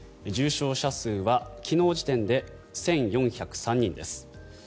重症者数は昨日時点で１４０３人です。